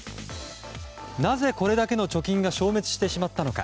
なぜ、これだけの貯金が消滅してしまったのか。